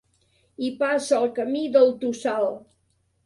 Hi passa el Camí del Tossal.